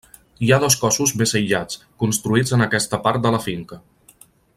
Hi ha dos cossos més aïllats, construïts en aquesta part de la finca.